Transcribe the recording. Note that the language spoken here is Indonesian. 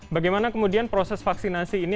bagaimana kemudian proses vaksinasi ini